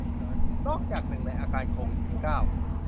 นอกจากหนึ่งในอาการโควิด สิบเก้า